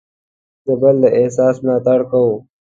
د بل د احساس ملاتړ کوو.